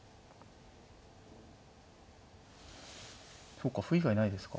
そうか歩以外ないですか。